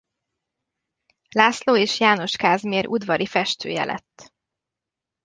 László és János Kázmér udvari festője lett.